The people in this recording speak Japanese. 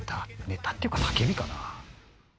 ネタっていうか叫びかな。